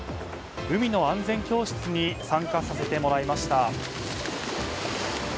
海の安全教室に参加させてもらいました。